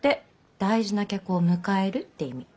大事な客を迎えるって意味。